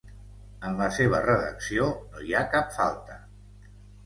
En la seva redacció no hi ha cap falta.